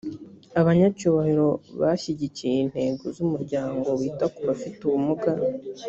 abanyacyubahiro bashyigikiye intego z’umuryango wita ku bafite ubumuga